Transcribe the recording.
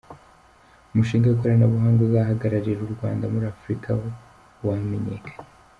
Umushinga w’ikoranabuhanga uzahagararira u Rwanda muri Afurika wamenyekanye